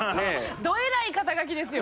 どえらい肩書ですよ。